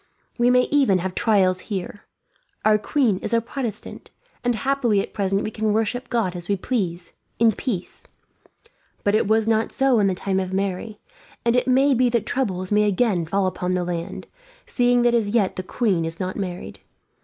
"We may even have trials here. Our Queen is a Protestant, and happily at present we can worship God as we please, in peace; but it was not so in the time of Mary, and it may be that troubles may again fall upon the land, seeing that as yet the Queen is not married.